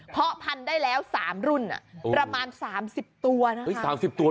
เพราะพันธุ์ได้แล้ว๓รุ่นประมาณ๓๐ตัวนะ๓๐ตัว